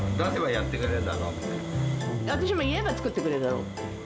私も言えば作ってくれるだろう。